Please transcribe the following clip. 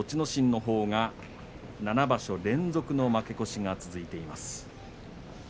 心のほうは７場所連続の負け越しが続いています。